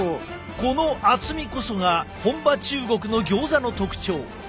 この厚みこそが本場中国のギョーザの特徴。